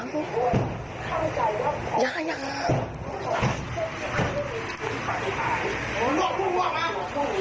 เงินมินสิ่งไม่ซักใค่